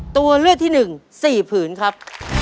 ตัวเลือดที่หนึ่ง๔ผืนครับ